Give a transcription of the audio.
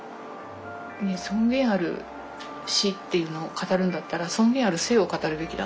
尊厳ある死っていうのを語るんだったら尊厳ある生を語るべきであって。